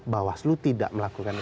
bawaslu tidak melakukan itu